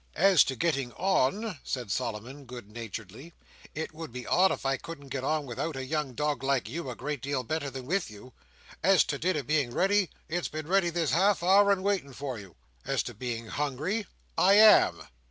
"As to getting on," said Solomon good naturedly, "it would be odd if I couldn't get on without a young dog like you a great deal better than with you. As to dinner being ready, it's been ready this half hour and waiting for you. As to being hungry, I am!"